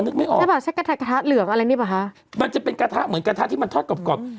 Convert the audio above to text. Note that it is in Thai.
เนี่ยก๋วยเตี๋ยวขั้วไก่กระทะทองเหลือง